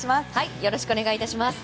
よろしくお願いします。